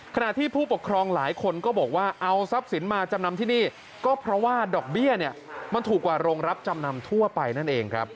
ขณะที่ผู้ปกครองหลายคนก็บอกว่าเอาทรัพย์สินมาจำนำที่นี่ก็เพราะว่าดอกเบี้ยเนี่ยมันถูกกว่าโรงรับจำนำทั่วไปนั่นเองครับ